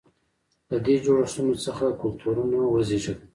له دې جوړښتونو څخه کلتورونه وزېږېدل.